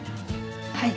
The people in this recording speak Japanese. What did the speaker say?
はい。